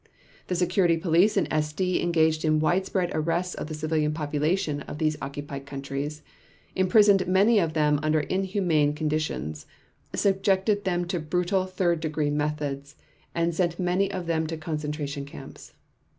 The Security Police and SD engaged in widespread arrests of the civilian population of these occupied countries, imprisoned many of them under inhumane conditions, subjected them to brutal third degree methods, and sent many of them to concentration camps.